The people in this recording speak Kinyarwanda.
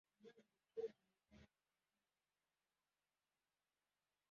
Imbwa nyinshi ziruka kimwe mumurima